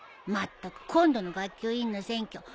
まったく今度の学級委員の選挙